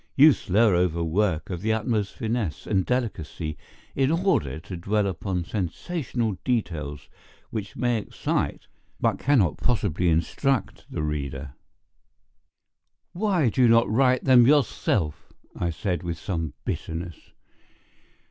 You slur over work of the utmost finesse and delicacy, in order to dwell upon sensational details which may excite, but cannot possibly instruct, the reader." "Why do you not write them yourself?" I said, with some bitterness.